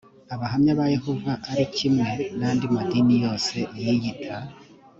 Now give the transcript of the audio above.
abahamya ba yehova ari kimwe n andi madini yose yiyita